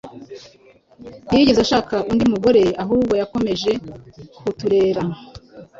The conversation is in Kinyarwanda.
ntiyigeze ashaka undi mugore. Ahubwo yakomeje kuturera,